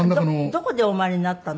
どこでお生まれになったの？